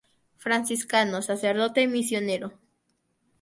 Franciscano, sacerdote, misionero.